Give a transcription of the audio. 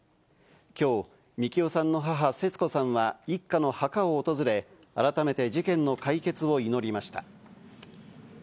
きょう、みきおさんの母、節子さんは一家の墓を訪れ、改めて事件の解決を祈りました。